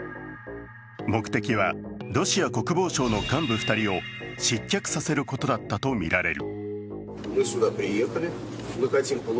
目的はロシア国防省の幹部２人を失脚させることだったとみられる。